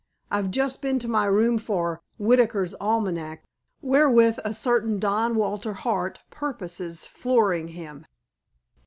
I've just been to my room for Whitaker's Almanack, wherewith a certain Don Walter Hart purposes flooring him."